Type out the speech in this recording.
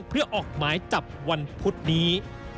เพื่อออกหมายจับวันพุธนี้